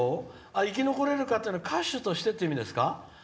生き残れるかというのは歌手としてってことですか？